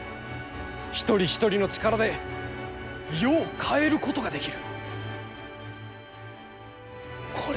一人一人の力で世を変えることができる。